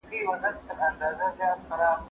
په دوږخ کي هم له تاسي نه خلاصېږو.